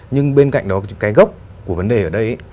nhưng bên cạnh đó cái gốc của vấn đề ở đây